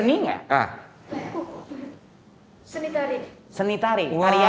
rjin cenderung warganya mah